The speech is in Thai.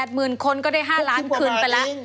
หมด๘๐๐๐๐คนก็ได้๕ล้านครึ่งไปแล้ว